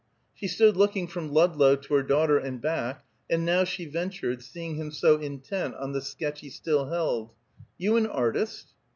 She stood looking from Ludlow to her daughter and back, and now she ventured, seeing him so intent on the sketch he still held, "You an artist?"